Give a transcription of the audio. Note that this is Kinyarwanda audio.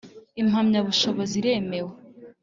impamyabushobozi iremewe